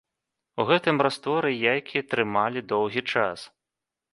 У гэтым растворы яйкі трымалі доўгі час.